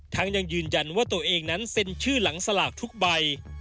ยังยืนยันว่าตัวเองนั้นเซ็นชื่อหลังสลากทุกใบ